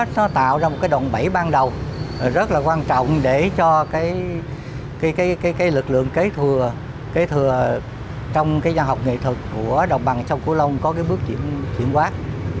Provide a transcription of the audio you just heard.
nó tạo ra một cái đòn bẫy ban đầu rất là quan trọng để cho cái lực lượng kế thừa trong cái nhà học nghệ thuật của đồng bằng sông cửu long có cái bước chuyển quát